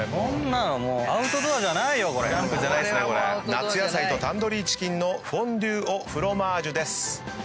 夏野菜とタンドリーチキンのフォンデュ・オ・フロマージュです。